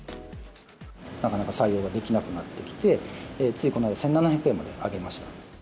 なかなか採用ができなくなってきて、ついこの間、１７００円まで上げました。